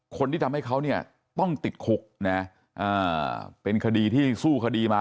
คนที่ทำให้เขาเนี่ยต้องติดคุกนะเป็นคดีที่สู้คดีมา